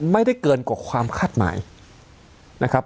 ไม่ได้เกินกว่าความคาดหมายนะครับ